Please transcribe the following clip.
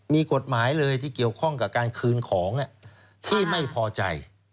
มีกฎหมายเลยที่เกี่ยวข้องกับการคืนของที่ไม่พอใจ